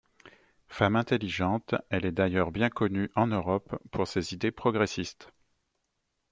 Femme intelligente, elle est d'ailleurs bien connue, en Europe, pour ses idées progressistes.